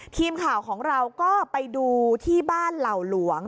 ทีมข่าวของเราก็ไปดูที่บ้านเหล่าหลวง